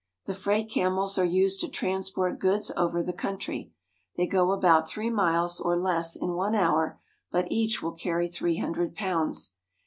The freight camels are used to transport goods over the country. They go about three miles or less in one hour, but each will carry three hundred pounds.